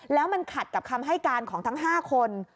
แล้วมันขัดกับคำให้การของทั้ง๕คน